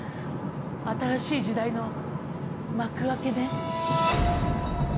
新しい時代の幕開けね。